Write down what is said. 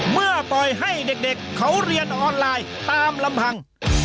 ปล่อยให้เด็กเขาเรียนออนไลน์ตามลำพัง